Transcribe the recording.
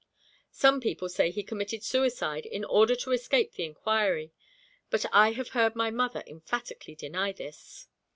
Some people say he committed suicide in order to escape the inquiry; but I have heard my mother emphatically deny this.